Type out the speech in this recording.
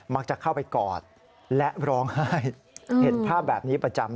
จะเข้าไปกอดและร้องไห้เห็นภาพแบบนี้ประจำ